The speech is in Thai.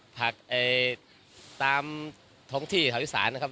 ผักตามท้องที่แถวอีสานนะครับ